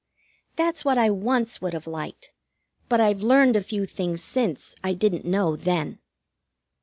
That's what I once would have liked, but I've learned a few things since I didn't know then.